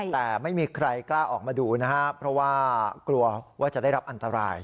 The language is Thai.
แต่ไม่มีใครกล้าออกมาดูนะครับเพราะว่ากลัวว่าจะได้รับอันตราย